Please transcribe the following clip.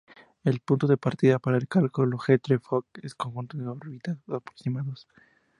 El punto de partida para el cálculo Hartree-Fock es un conjunto de orbitales aproximados.